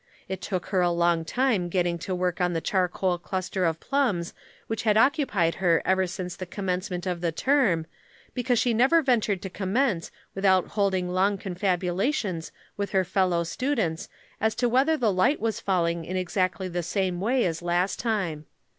It took her a long time getting to work on the charcoal cluster of plums which had occupied her ever since the commencement of the term, because she never ventured to commence without holding long confabulations with her fellow students as to whether the light was falling in exactly the same way as last time.